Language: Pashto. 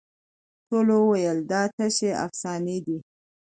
ټولو وویل دا تشي افسانې دي